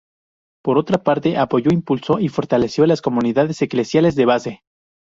Por otra parte apoyó impulsó y fortaleció las Comunidades Eclesiales de Base.